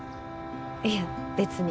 いや別に。